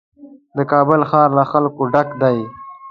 د کابل ښار له خلکو ډک دی.